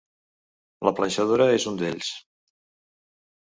La planxadora és un d'ells.